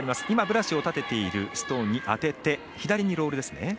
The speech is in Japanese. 今、ブラシを立てているストーンに当てて左にロールですね。